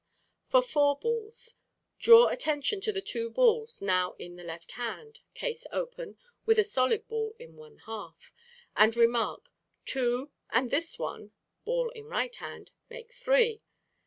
For four balls: Draw attention to the two balls now in the left hand (case open, with a solid ball in one half) and remark, "Two, and this one" (ball in right hand) "make three."